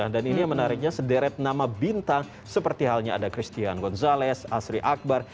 dan ini yang menariknya sederet nama bintang seperti halnya ada christian gonzalez asri akbar